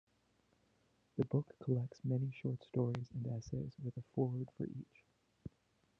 The book collects many short stories and essays, with a foreword for each.